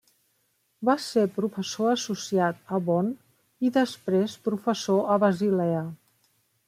Va ésser professor associat a Bonn, i després professor a Basilea.